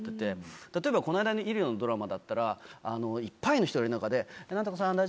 例えばこの間の医療のドラマだったらいっぱいの人の中で「ナントカさん大丈夫ですか？」。